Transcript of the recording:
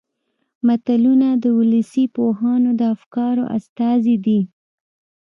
متلونه د ولسي پوهانو د افکارو استازي دي